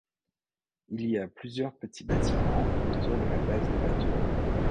Il y a plusieurs petits bâtiments autour de la base de la tour.